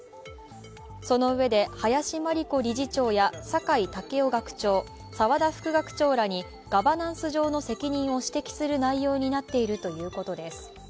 そのうえで林真理子理事長や酒井健夫学長、澤田副学長らにガバナンス上の責任を指摘する内容になっているということです。